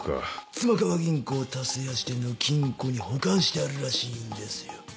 妻川銀行田勢谷支店の金庫に保管してあるらしいんですよ。